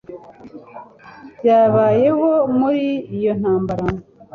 byabayeho muri iyo ntambara,